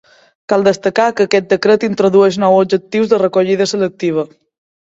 Cal destacar que aquest decret introdueix nous objectius de recollida selectiva.